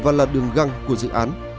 nằm găng của dự án